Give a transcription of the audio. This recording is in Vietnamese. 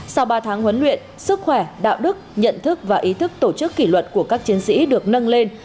sau ba tháng huấn luyện sức khỏe đạo đức nhận thức và ý thức tổ chức kỷ luật của các chiến sĩ được nâng lên